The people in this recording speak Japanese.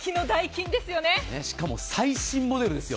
しかも最新モデルですよ。